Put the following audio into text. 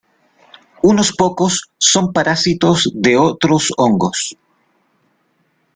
Unos pocos son parásitos de otros hongos.